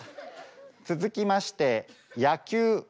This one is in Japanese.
続きまして「野球」。